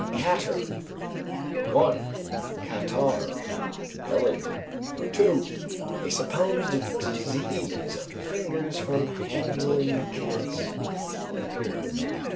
Catter. 1. Catarrh (BELLENDEN). 2. A supposed disease of the fingers from handling cats.